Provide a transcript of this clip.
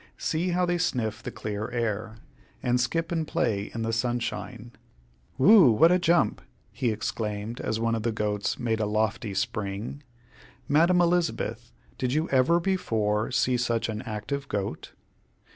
See how they sniff the clear air, and skip and play in the sunshine. Whew! what a jump," he exclaimed as one of the goats made a lofty spring. "Madam Elizabeth, did you ever before see such an active goat?"